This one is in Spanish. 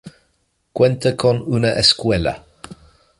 Cuenta con una escuela.